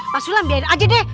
pak sulam biarin aja deh